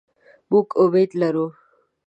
مونږ امید لرو